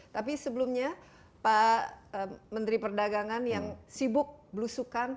tapi sebelumnya pak menteri perdagangan yang sibuk belusukan